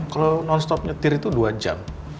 kalau non stop nyetir itu dua jam